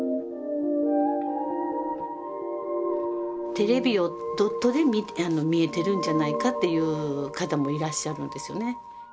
テレビをドットで見えてるんじゃないかって言う方もいらっしゃるんですよね。